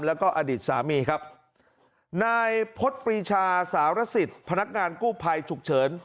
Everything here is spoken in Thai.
แล้วก็อดีตสามีครับนายพฤษปรีชาสารสิทธิ์พนักงานกู้ภัยฉุกเฉิน